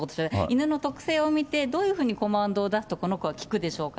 犬の特性を見て、どういうふうにコマンドを出すとこの子は聞くでしょうか。